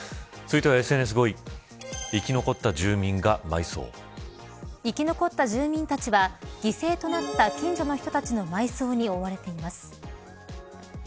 続いてはＳＮＳ５位生き残った住民たちは犠牲となった近所の人たちの埋葬に追われています。